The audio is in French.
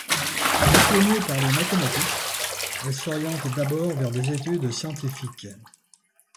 Passionnée par les mathématiques, elle s’oriente d’abord vers des études scientifiques.